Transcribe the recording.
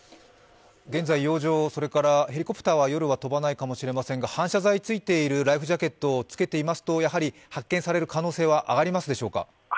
現在、洋上、ヘリコプターは夜は飛ばないかもしれませんが、反射材が付いているライフジャケットを着けていますと、発見される可能性は上がりますでしょうか？